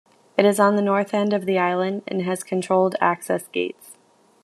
It is on the north end of the island and has controlled-access gates.